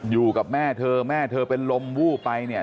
อยู่กับแม่เธอแม่เธอเป็นลมวูบไปเนี่ย